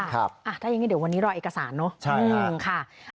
ถ้าอย่างนี้เดี๋ยววันนี้รอเอกสารเนอะ